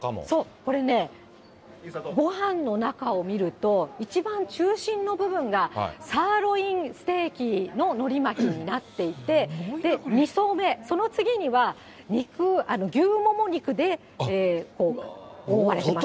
これね、ごはんの中を見ると、一番中心の部分がサーロインステーキののり巻きになっていて、２層目、その次には肉、牛もも肉で覆われてます。